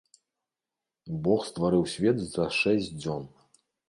Бог стварыў свет за шэсць дзён.